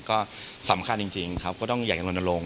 ก็สำคัญจริงครับก็ต้องอย่างน้อยน้อยลง